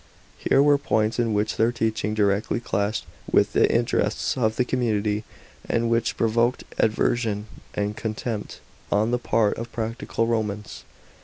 Here were points in which their teaching directly clashed with the interests of the community, and which provoked aversion and con tempt on the part of practical Romans.